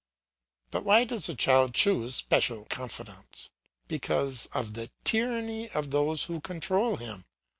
But why does the child choose special confidants? Because of the tyranny of those who control him.